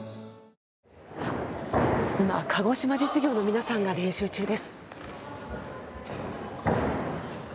今鹿児島実業の皆さんが練習中です。